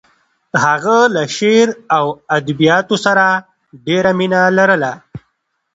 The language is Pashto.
هغه له شعر او ادبیاتو سره ډېره مینه لرله